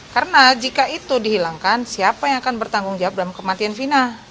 karena jika itu dihilangkan siapa yang akan bertanggung jawab dalam kematian fina